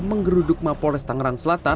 menggeruduk mapolestang rang selatan